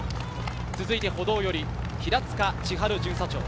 続いて歩道寄り、平塚千晴巡査長。